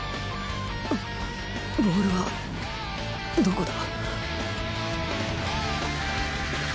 ボールはどこだ？